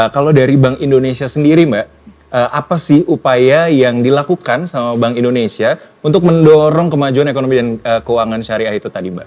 kalau dari bank indonesia sendiri mbak apa sih upaya yang dilakukan sama bank indonesia untuk mendorong kemajuan ekonomi dan keuangan syariah itu tadi mbak